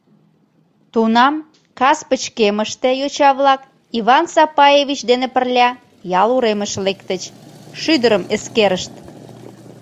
Тунам кас пычкемыште йоча-влак Иван Сапаевич дене пырля ял уремыш лектыч, шӱдырым эскерышт.